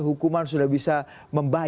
hukuman sudah bisa membayangkan